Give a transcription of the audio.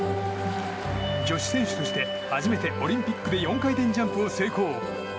女子選手として初めてオリンピックで４回転ジャンプを成功。